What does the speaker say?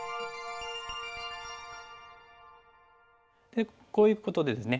でこういうことでですね